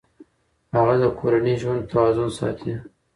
هغه د کورني ژوند توازن ساتي.